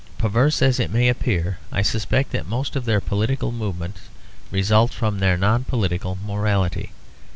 Perverse as it may appear, I suspect that most of their political movements result from their non political morality.